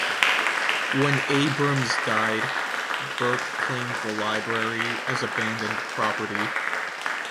When Abrams died, Burke claimed the library as abandoned property.